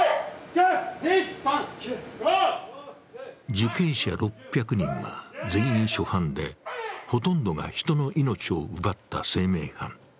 受刑者６００人は全員初犯でほとんどが人の命を奪った生命犯。